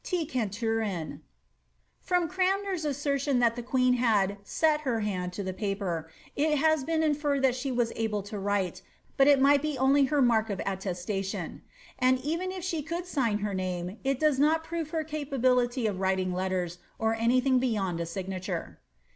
«*T. CiirTVAaisv."* From CraDoier^s assertion that the queen had ^ set her hand'' to the paper, it has been inferred that she was able to write, but it might be only her mark of attestation ; and, even if she could sign her name, it does not prove her capability of writing letters, or any thing beyond a signature.